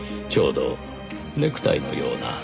ちょうどネクタイのような。